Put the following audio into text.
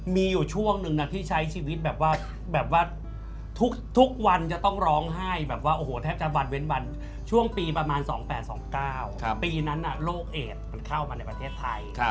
มีอยู่ช่วงนึงนะที่ใช้ชีวิตแบบว่าแบบว่าทุกวันจะต้องร้องไห้แบบว่าโอ้โหแทบจะวันเว้นวันช่วงปีประมาณ๒๘๒๙ปีนั้นโรคเอดมันเข้ามาในประเทศไทย